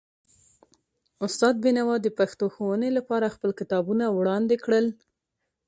استاد بینوا د پښتو ښوونې لپاره خپل کتابونه وړاندې کړل.